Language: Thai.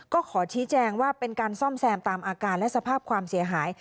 ก็ขอชี้แจงว่าเป็นการซ่อมแซมตามอาการและสภาพความเสียหาย